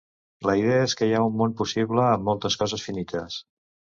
La idea és que hi ha un món possible amb moltes coses finites.